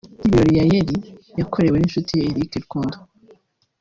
Ibirori Yayeli yakorewe n'inshuti ye Eric Rukundo